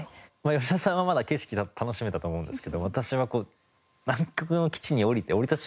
吉田さんはまだ景色が楽しめたと思うんですけど私は南極の基地に降りて降り立つ